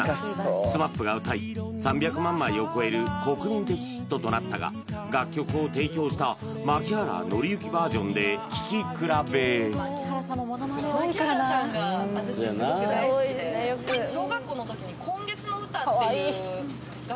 ＳＭＡＰが歌い３００万枚を超える国民的ヒットとなったが楽曲を提供した槇原敬之バージョンで聴き比べその時にその時も好きでしたし